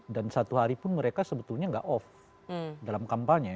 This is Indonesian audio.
dan satu hari pun mereka sebetulnya enggak off dalam kampanye